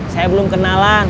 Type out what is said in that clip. saya belum kenalan